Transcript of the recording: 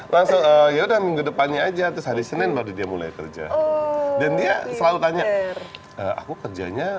lanzoh ya udah minggu depannya aja terus ada senin mulai kerja yang dia selalu tanya aku kerjanya